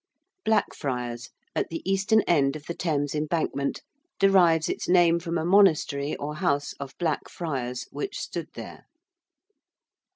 ~Blackfriars~, at the eastern end of the Thames Embankment, derives its name from a monastery or house of Black Friars which stood there.